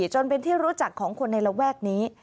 จนเป็นที่รู้จักของคนในระแวกนี้